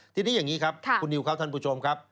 ทีนี้อย่างนี้ครับคุณนิวครับท่านผู้ชมครับ